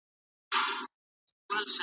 کله یو نوی هدف ذهن ته تازه انګېزه ورکوي؟